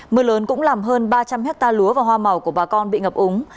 mưa lớn cũng làm hơn ba trăm linh hectare lúa và hoa màu của bà con bị ngập úng